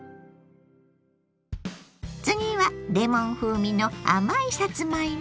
次はレモン風味の甘いさつまいも。